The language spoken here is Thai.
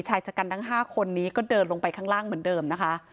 ชายชะกันทั้ง๕คนนี้ก็เดินลงไปข้างล่างเหมือนเดิมนะคะ